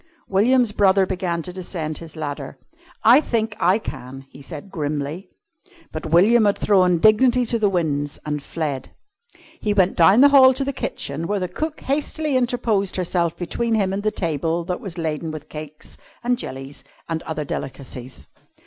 William's brother began to descend his ladder. "I think I can," he said grimly. But William had thrown dignity to the winds, and fled. He went down the hall to the kitchen, where cook hastily interposed herself between him and the table that was laden with cakes and jellies and other delicacies.